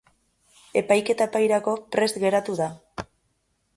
Epaiketa epairako prest geratu da.